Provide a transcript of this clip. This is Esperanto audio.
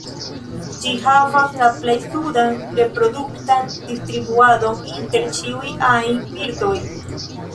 Ĝi havas la plej sudan reproduktan distribuadon inter ĉiuj ajn birdoj.